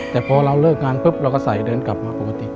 แต่พอเราเลิกงานปุ๊บเราก็ใส่เดินกลับมาปกติ